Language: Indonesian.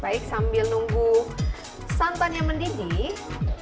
baik sambil nunggu santannya mendidih